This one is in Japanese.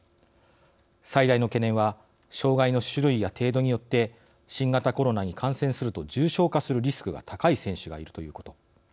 最大の懸念は障害の種類や程度によって新型コロナに感染すると重症化するリスクが高い選手がいるということ。